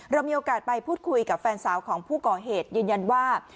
เรามีโอกาสไปพูดคุยกับแฟนสาวของผู้ก่อเหตุยืนยันว่า